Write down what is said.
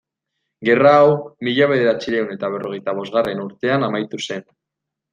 Gerra hau mila bederatziehun eta berrogeita bosgarren urtean amaitu zen.